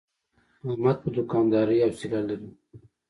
احمد په دوکاندارۍ حوصله لري.